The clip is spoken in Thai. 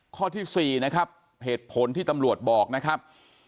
ข้อที่๔นะครับเหตุผลที่ตำรวจบอกนะครับ